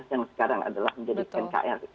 yang sekarang adalah menjadi nkr